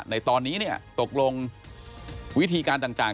ในตอนนี้เนี่ยตกลงวิธีการต่าง